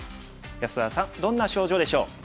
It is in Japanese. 安田さんどんな症状でしょう？